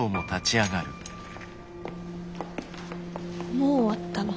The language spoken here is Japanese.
もう終わったの？